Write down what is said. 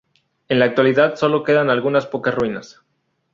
En la actualidad sólo quedan algunas pocas ruinas.